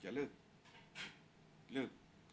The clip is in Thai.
ช่างแอร์เนี้ยคือล้างหกเดือนครั้งยังไม่แอร์